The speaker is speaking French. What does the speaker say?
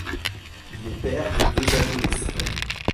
Il est père de deux adolescents.